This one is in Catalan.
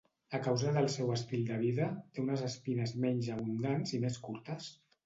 A causa del seu estil de vida, té unes espines menys abundants i més curtes.